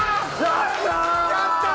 やったー！